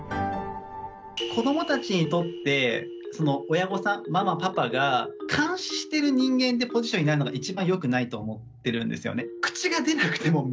子どもたちにとってその親御さんママパパが監視してる人間ってポジションになるのが一番よくないと思ってるんですよね。